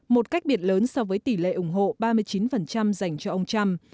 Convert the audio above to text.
một cách biệt lớn so với tỷ lệ ủng hộ ba mươi chín dành cho ông trump